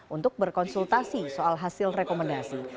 untuk berkonsultasi soal hasil rekomendasi